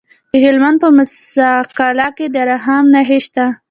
د هلمند په موسی قلعه کې د رخام نښې شته.